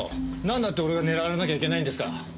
なんだって俺が狙われなきゃいけないんですか。